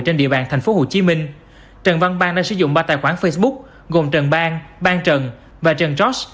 trên địa bàn tp hcm trần văn bang đã sử dụng ba tài khoản facebook gồm trần bang ban trần và trần trót